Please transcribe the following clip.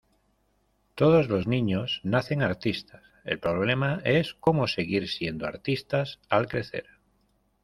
Todos los niños nacen artistas. El problema es cómo seguir siendo artistas al crecer.